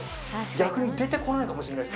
逆に出てこないかもしれないです